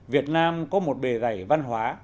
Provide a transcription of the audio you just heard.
việt nam có một bề dày văn hóa